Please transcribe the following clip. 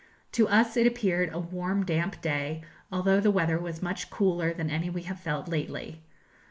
To us it appeared a warm damp day, although the weather was much cooler than any we have felt lately.